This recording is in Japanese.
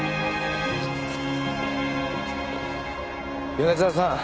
米沢さん